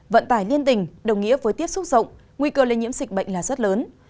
vận tải liên tình đồng nghĩa với tiếp xúc rộng nguy cơ lây nhiễm dịch bệnh là rất lớn